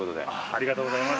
ありがとうございます。